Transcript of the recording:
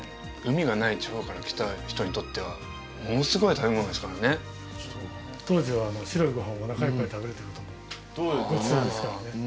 海がない地方から来た人にとってはものすごい食べ物ですからね当時は白いご飯をおなかいっぱい食べるってこともごちそうですからね